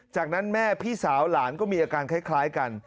จากนั้นแม่พี่สาวหลานก็มีอาการคล้ายกัน